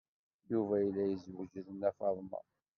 Yuba yella yezweǧ d Nna Faḍma.